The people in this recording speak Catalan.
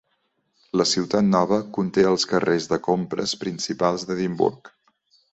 La Ciutat Nova conté els carrers de compres principals d'Edimburg.